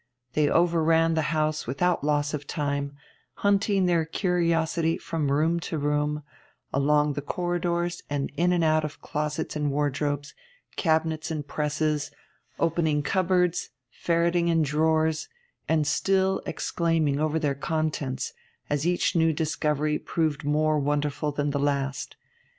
They overran the house without loss of time, hunting their curiosity from room to room, along the corridors and in and out of closets and wardrobes, cabinets and presses; opening cupboards, ferreting in drawers, and still exclaiming over their contents as each new discovery proved more wonderful than the last.